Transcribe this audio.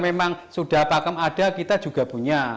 memang sudah pakem ada kita juga punya